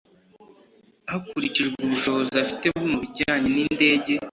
hakurikijwe ubushobozi afite mu bijyanye n indege